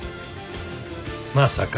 まさか。